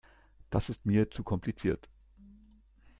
Das ist mir zu kompliziert.